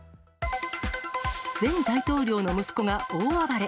前大統領の息子が大暴れ。